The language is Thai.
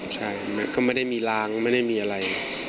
ใช่ก็ไม่ได้มีล้างไม่ได้มีอะไร